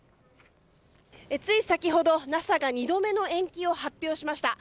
つい先ほどＮＡＳＡが２度目の延期を発表しました。